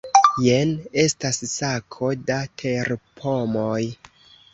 Jen estas sako da terpomoj.